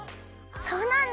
そうなんだ！